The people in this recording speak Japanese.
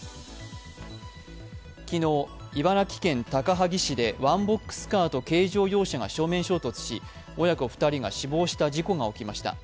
昨日、茨城県高萩市でワンボックスカーと軽乗用車が正面衝突し親子２人が死亡した事故が起きました。